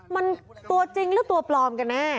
มันตัวจริงหรือตัวปลอมกันแน่